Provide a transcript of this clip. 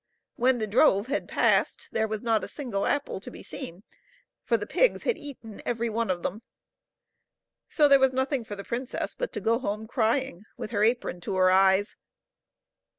When the drove had passed there was not a single apple to be seen, for the pigs had eaten every one of them. So there was nothing for the princess but to go home crying, with her apron to her eyes.